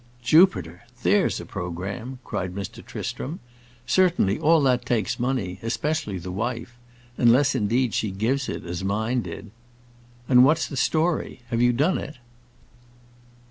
"Jupiter! There's a programme!" cried Mr. Tristram. "Certainly, all that takes money, especially the wife; unless indeed she gives it, as mine did. And what's the story? How have you done it?"